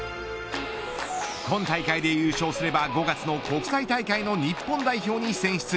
今大会で優勝すれば５月の国際大会の日本代表に選出。